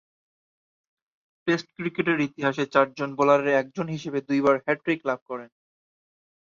Test ক্রিকেটের ইতিহাসে চারজন বোলারের একজন হিসেবে দুইবার হ্যাট্রিক লাভ করেন।